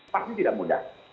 pasti tidak mudah